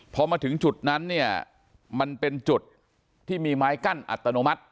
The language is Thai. พอมาถึงจุดนั้นเนี่ยมันเป็นจุดที่มีไม้กั้นอัตโนมัติ